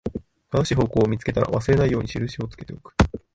正しい方向を見つけたら、忘れないように印をつけておく